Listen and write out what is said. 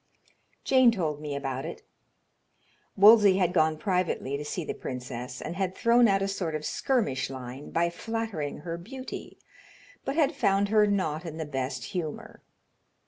Jane told me about it. Wolsey had gone privately to see the princess, and had thrown out a sort of skirmish line by flattering her beauty, but had found her not in the best humor.